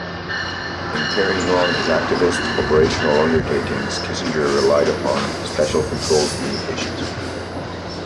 In carrying on his activist, operational undertakings, Kissinger relied upon special controlled communications.